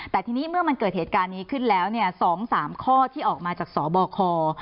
แต่ทีนี้เมื่อมันเกิดเหตุการณ์นี้ขึ้นแล้ว๒๓ข้อที่ออกมาจากสบค